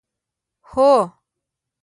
هوه